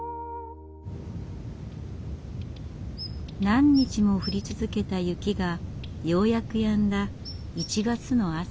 何日も降り続けた雪がようやくやんだ１月の朝。